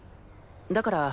だから。